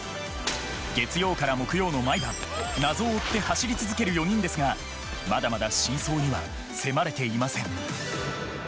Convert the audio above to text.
月曜から木曜の毎晩謎を追って走り続ける４人ですがまだまだ真相には迫れていません。